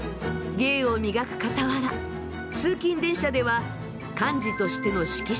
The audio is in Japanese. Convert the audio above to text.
芸を磨くかたわら通勤電車では幹事としての式次第作り。